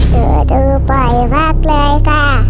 ตัวดูปล่อยมากเลยค่ะ